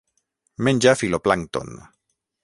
Menja fitoplàncton.